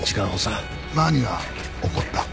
何が起こった？